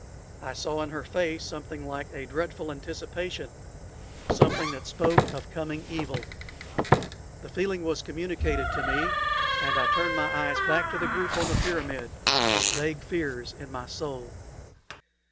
I saw in her face something like a dreadful anticipation something that spoke of coming evil. The feeling was communicated to me, and I turned my eyes back to the group on the pyramid with vague fears in my soul.